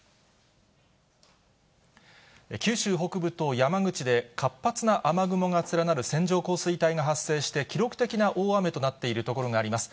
九州北部と山口で活発な雨雲が連なる線状降水帯が発生して記録的な大雨となっている所があります。